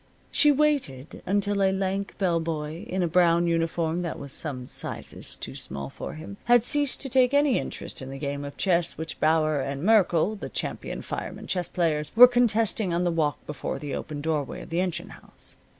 She waited until a lank bell boy, in a brown uniform that was some sizes too small for him, had ceased to take any interest in the game of chess which Bauer and Merkle, the champion firemen chess players, were contesting on the walk before the open doorway of the engine house.